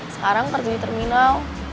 sekarang kerja di terminal